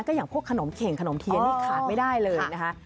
อย่างพวกขนมเข่งขนมเทียนนี่ขาดไม่ได้เลยนะคะ